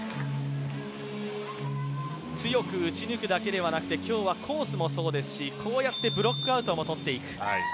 強く打ち抜くだけではなくて、今日はコースもそうですしこうやってブロックアウトも取っていく。